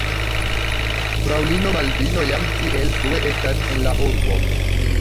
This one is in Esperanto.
Fraŭlino Malvino jam tiel frue estas en la urbo.